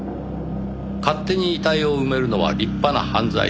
勝手に遺体を埋めるのは立派な犯罪です。